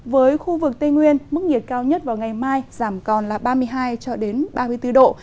với khu vực tây nguyên mức nhiệt cao nhất vào ngày mai giảm còn là ba mươi hai ba mươi bốn độ